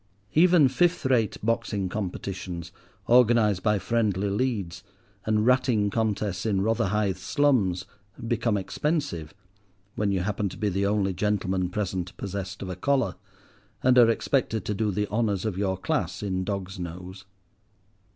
Even fifth rate "boxing competitions," organized by "friendly leads," and ratting contests in Rotherhithe slums, become expensive, when you happen to be the only gentleman present possessed of a collar, and are expected to do the honours of your class in dog's nose.